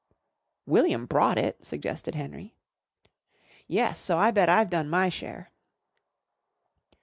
"William brought it," suggested Henry. "Yes, so I bet I've done my share."